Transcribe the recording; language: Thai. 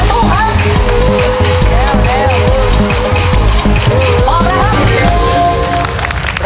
ออกแล้วครับ